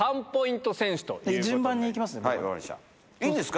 いいんですか？